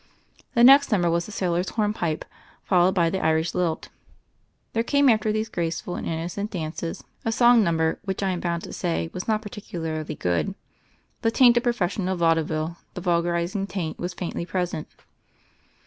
The next number was the Sailor's Horn Pipe ; followed by the Irish Lilt. There came, after these graceful and innocent dances, a song nunv 1 68 THE FAIRY OF THE SNOWS ber, which, I am bound to say, was not particu larly good — the taint of professional vaude ville, the vulgarizing taint, was faintly present.